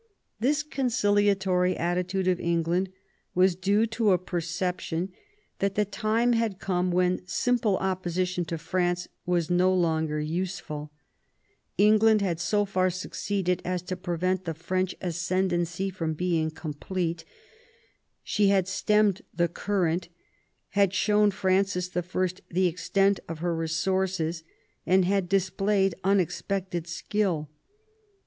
^ This conciliatory attitude of England was due to a perception that the time had come when simple oppo sition to France was no longer useful. England had so far succeeded as to prevent the French ascendency from being complete; she had stemmed the current, had shown Francis I. the extent of her resources, and had displayed unexpected skill.